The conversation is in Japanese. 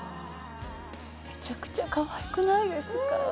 めちゃくちゃかわいくないですか？